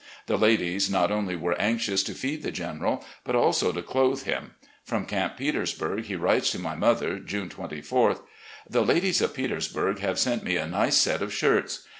The ladies not only were anxious to feed the General, but also to clothe him. From Camp Petersburg he writes to my mother, June 24th: .. The ladies of Petersburg have sent me a nice set of shirts.